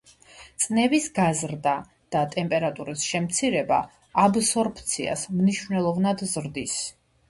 წნევის გაზრდა და ტემპერატურის შემცირება აბსორბციას მნიშვნელოვნად ზრდის.